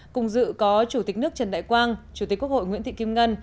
cùng dự có chủ tịch nước trần đại quang chủ tịch quốc hội nguyễn thị kim ngân